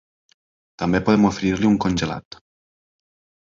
També podem oferir-li un congelat.